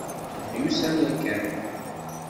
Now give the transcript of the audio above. Nemyussan yakan.